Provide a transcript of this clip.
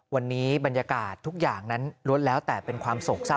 วันนี้บรรยากาศทุกอย่างนั้นล้วนแล้วแต่เป็นความโศกเศร้า